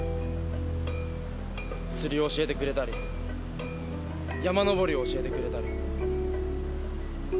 釣りを教えてくれたり山登りを教えてくれたり。